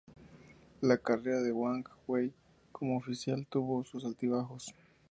La carrera de Wang Wei como oficial tuvo sus altibajos.